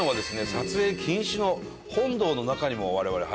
撮影禁止の本堂の中にも我々入らせて頂きまして。